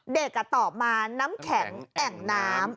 เด็กตอบมาน้ำแข็งแอ่งน้ำ